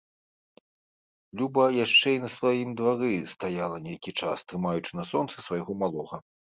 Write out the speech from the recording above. Люба яшчэ і на сваім двары стаяла нейкі час, трымаючы на сонцы свайго малога.